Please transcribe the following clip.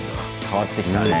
変わってきたね。